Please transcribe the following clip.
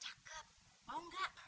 cakep mau gak